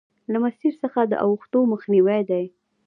له مسیر څخه د اوښتو مخنیوی دی.